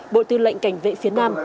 bộ tư lệnh cảnh vệ phía nam